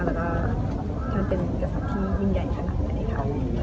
แล้วก็ถ้าเป็นกระทับที่วิ่งใหญ่ขนาดนี้ค่ะ